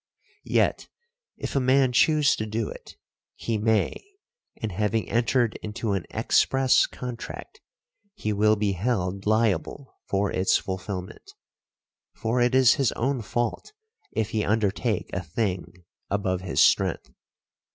Yet, if a man choose to do it he may, and having entered into an express contract he will be held liable for its fulfilment. For it is his own fault if he undertake a thing above his strength.